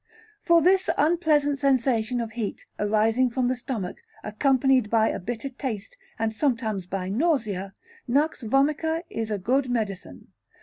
For this unpleasant sensation of heat, arising from the stomach, accompanied by a bitter taste, and sometimes by nausea, Nux vomica is a good medicine.